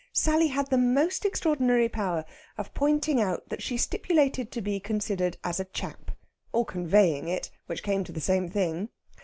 Sally had the most extraordinary power of pointing out that she stipulated to be considered as a chap; or conveying it, which came to the same thing.